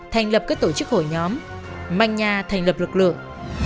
thành lập các tổ chức hội nhóm manh nha thành lập lực lượng